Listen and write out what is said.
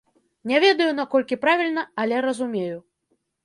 Не ведаю, наколькі правільна, але разумею.